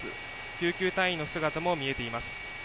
救急隊員の姿も見えています。